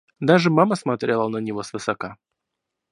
Даже мама смотрела на него свысока.